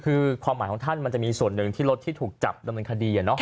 คือความหมายของท่านมันจะมีส่วนหนึ่งที่รถที่ถูกจับดำเนินคดี